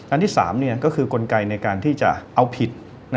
อันที่๓ก็คือกลไกในการที่จะเอาผิด